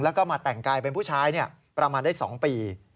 แล้วก็มาแต่งกายเป็นผู้ชายประมาณได้๒ปี